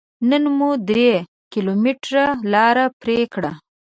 نن مو درې کيلوميټره لاره پرې کړه.